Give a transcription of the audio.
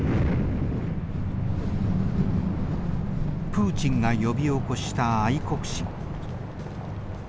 プーチンが呼び起こした愛国心。